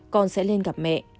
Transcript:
con sẽ lên gặp mẹ